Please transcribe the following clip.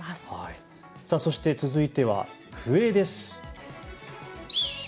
そして、続いては笛です。